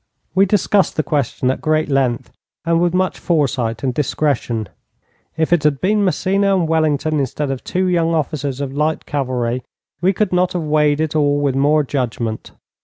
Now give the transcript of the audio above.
We discussed the question at great length and with much foresight and discretion. If it had been Massena and Wellington instead of two young officers of light cavalry, we could not have weighed it all with more judgment.